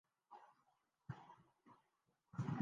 ھذا من فضْل ربی۔